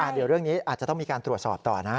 เดี๋ยวเรื่องนี้อาจจะต้องมีการตรวจสอบต่อนะ